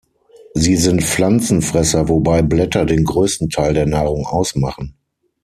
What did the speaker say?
Sie sind Pflanzenfresser, wobei Blätter den größten Teil der Nahrung ausmachen.